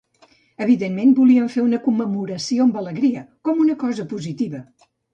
Evidentment, volien fer una commemoració amb alegria, com una cosa positiva.